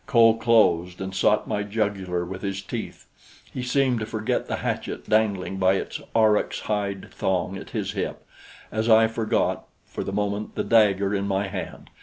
Kho closed and sought my jugular with his teeth. He seemed to forget the hatchet dangling by its aurochs hide thong at his hip, as I forgot, for the moment, the dagger in my hand.